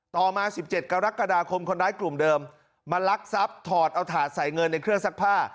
ต่อมา๑๗กรกฎาคมคนร้ายกลุ่มเดิมมาลักทรัพย์ถอดเอาถาดใส่เงินในเครื่องซักผ้า